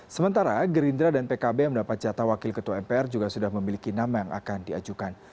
sementara gerindra dan pkb yang mendapat jatah wakil ketua mpr juga sudah memiliki nama yang akan diajukan